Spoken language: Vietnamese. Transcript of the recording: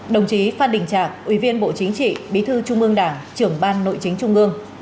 đồng chí phan đình trạc ủy viên bộ chính trị bí thư trung ương đảng trưởng ban nội chính trung ương